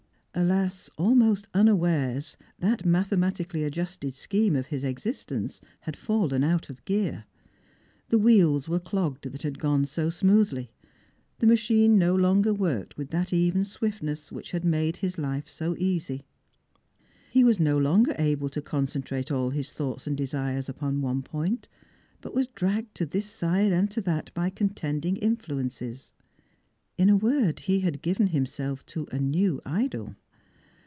Alas, almost unawares, that mathematically adjusted scheme of his existence had fallen out of gear : the wheels were clogged that had gone so smoothly, the machine no longer worked with that even swiftness which had made his life so easy. He waa no longer able to concentrate all his thoughts and desires upon one point, but was dragged to this side and to that by contend ing influences. In a word, he had given himself a new idol.